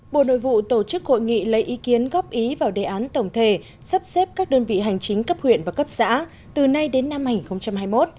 bộ nội vụ tổ chức hội nghị lấy ý kiến góp ý vào đề án tổng thể sắp xếp các đơn vị hành chính cấp huyện và cấp xã từ nay đến năm hai nghìn hai mươi một